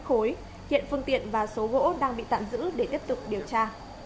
khối hiện phương tiện và số gỗ đang bị tạm giữ để tiếp tục điều tra